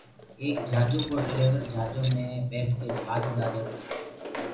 ايڪ جھآجو ڪو ڊليورَ جھآجو مي ٻيٺڪي جھآج اُڏآهيروَ تو